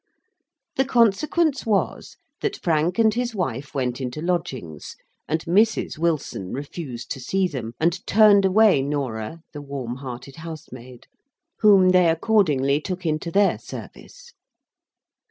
The consequence was, that Frank and his wife went into lodgings, and Mrs. Wilson refused to see them, and turned away Norah, the warm hearted housemaid; whom they accordingly took into their service.